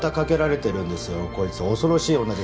こいつ恐ろしい女ですからね